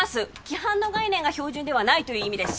規範の概念が標準ではないという意味です